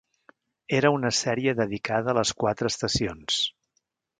Era una sèrie dedicada a les quatre estacions.